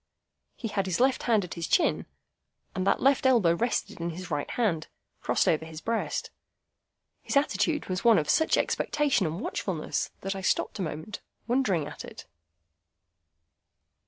He had his left hand at his chin, and that left elbow rested on his right hand, crossed over his breast. His attitude was one of such expectation and watchfulness that I stopped a moment, wondering at it.